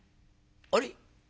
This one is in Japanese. あれ？